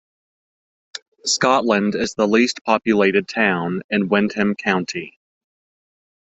Scotland is the least populated town in Windham County.